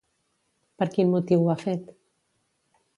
Per quin motiu ho ha fet?